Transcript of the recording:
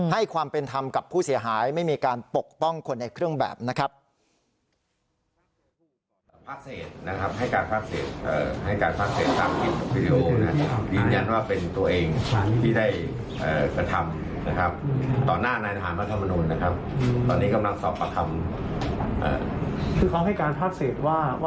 ให้ความเป็นธรรมกับผู้เสียหายไม่มีการปกป้องคนในเครื่องแบบนะครับ